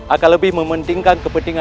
akan lebih mementingkan kepentingan